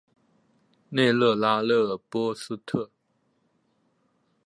内勒拉勒波斯特。